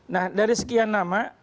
nah dari sekian nama